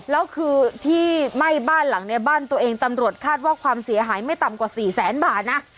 แล้วคือที่ไหม้บ้านหลังนี้บ้านตัวเองตำรวจคาดว่าความเสียหายไม่ต่ำกว่าสี่แสนบาทนะ